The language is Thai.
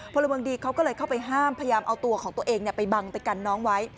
พลเมืองดีเขาก็เลยเข้าไปห้ามพยายามเอาตัวของตัวเองไปบังไปกันน้องไว้